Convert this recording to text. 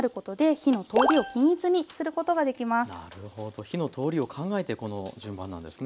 火の通りを考えてこの順番なんですね。